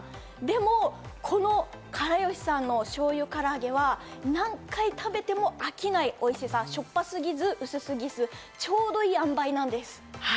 でも、このから好しさんのしょうゆ唐揚げは何回食べても飽きないおいしさ、しょっぱすぎず薄すぎず、ちょうどいい塩梅なんです。